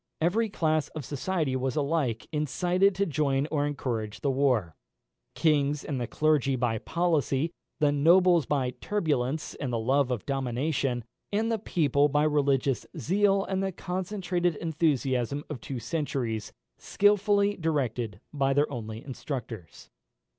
Every class of society was alike incited to join or encourage the war: kings and the clergy by policy, the nobles by turbulence and the love of dominion, and the people by religious zeal and the concentrated enthusiasm of two centuries, skilfully directed by their only instructors.